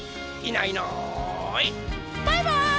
バイバーイ！